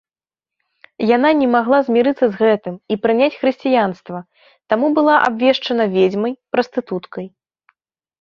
Яна не магла змірыцца з гэтым і прыняць хрысціянства, таму была абвешчана ведзьмай, прастытуткай.